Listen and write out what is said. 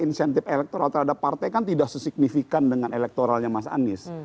insentif elektoral terhadap partai kan tidak sesignifikan dengan elektoralnya mas anies